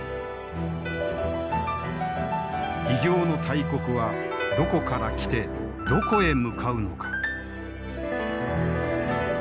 異形の大国はどこから来てどこへ向かうのか。